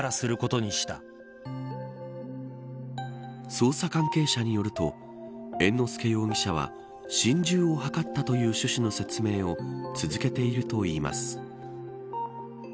捜査関係者によると猿之助容疑者は、心中を図ったという趣旨の説明を続けているといいます。